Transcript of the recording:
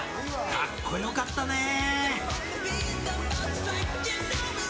かっこよかったねー。